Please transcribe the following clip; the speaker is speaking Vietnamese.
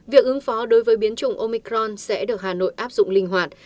việc ứng phó đối với biến chủng omicron sẽ được hà nội áp dụng linh hoạt